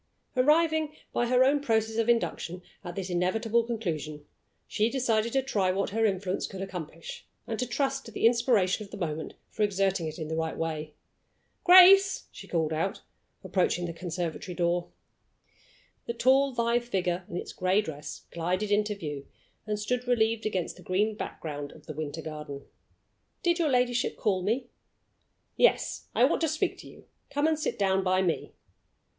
Arriving, by her own process of induction, at this inevitable conclusion, she decided to try what her influence could accomplish, and to trust to the inspiration of the moment for exerting it in the right way. "Grace!" she called out, approaching the conservatory door. The tall, lithe figure in its gray dress glided into view, and stood relieved against the green background of the winter garden. "Did your ladyship call me?" "Yes; I want to speak to you. Come and sit down by me."